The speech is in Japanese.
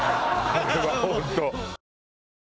これは本当。